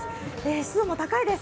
湿度も高いです